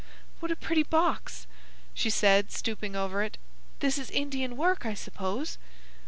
"What a pretty box!" she said, stooping over it. "This is Indian work, I suppose?"